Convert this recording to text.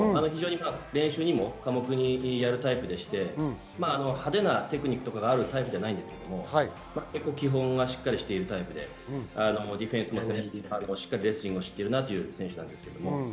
練習にも完璧にやるタイプでして、派手なテクニックとかがあるタイプではないんですけれど、基本がしっかりしているタイプで、ディフェンスもしっかりレスリングを知っているなという選手です。